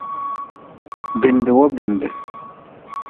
Bindi wo binde.